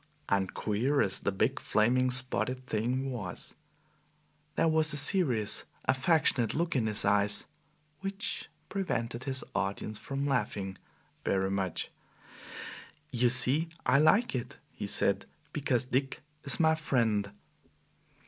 And queer as the big, flaming, spotted thing was, there was a serious, affectionate look in his eyes, which prevented his audience from laughing very much. "You see, I like it," he said, "because Dick is my friend."